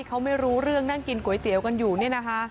เขาไม่รู้เรื่องนั่งกินก๋วยเตี๋ยวกันอยู่เนี่ยนะคะ